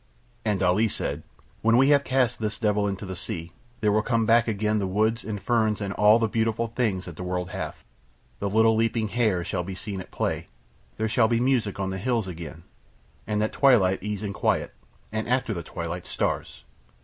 And Ali said: "When we have cast this devil into the sea there will come back again the woods and ferns and all the beautiful things that the world hath, the little leaping hares shall be seen at play, there shall be music on the hills again, and at twilight ease and quiet and after the twilight stars."